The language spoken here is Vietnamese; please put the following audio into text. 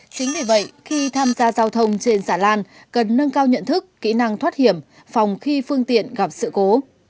chính vì vậy khi tham gia giao thông trên xà lan cần nâng cao nhận thức kỹ năng thoát hiểm phòng khi phương tiện gặp sự cố